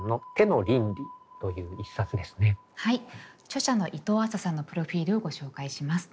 著者の伊藤亜紗さんのプロフィールをご紹介します。